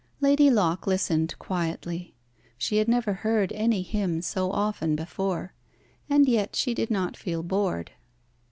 Lady Locke listened quietly. She had never heard any hymn so often before, and yet she did not feel bored.